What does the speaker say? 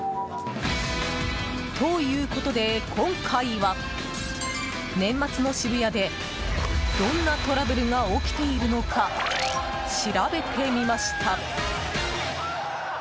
ということで今回は年末の渋谷でどんなトラブルが起きているのか調べてみました。